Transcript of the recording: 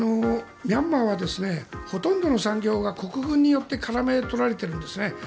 ミャンマーはほとんどの産業が国軍によって絡め取られているんですね。